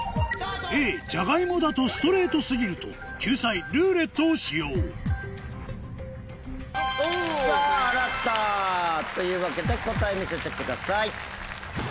Ａじゃがいもだとストレート過ぎると救済「ルーレット」を使用さぁあらた！というわけで答え見せてください。